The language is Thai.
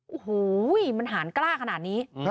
โอ้โหมันหารกล้าขนาดนี้